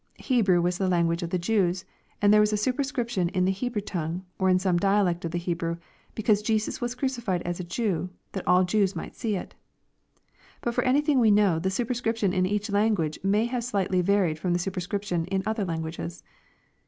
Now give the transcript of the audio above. — Hebrew was the language of the Jews, and there was a superscription in the Hebrew tongue, or in some dialect of the Hebrew, because Jesus was crucified as a Jew, that all Jews might see it. But for anything we know, the superscription in each language may have slightly varied from the superscription in other languages.